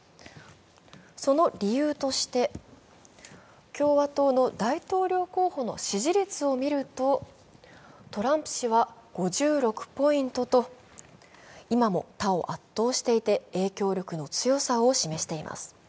その理由として共和党の大統領候補の支持率を見るとトランプ氏は５６ポイントと今も他を圧倒していて、影響力の強さを示しています。